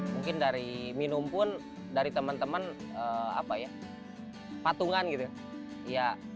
mungkin dari minum pun dari teman teman apa ya patungan gitu